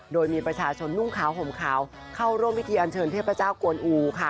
โดยมีประชาชนนุ่งขาวห่มขาวเข้าร่วมพิธีอันเชิญเทพเจ้ากวนอูค่ะ